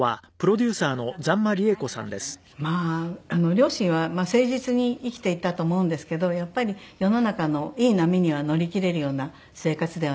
両親は誠実に生きていたと思うんですけどやっぱり世の中のいい波には乗りきれるような生活ではなかったし。